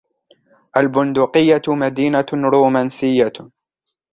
البندقية مدينة رومنسية.